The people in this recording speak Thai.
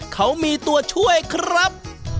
เขามีตัวช่วยครับ